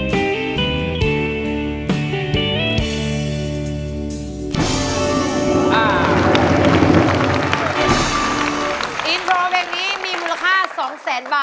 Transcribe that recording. ทุกคนพร้อมครับ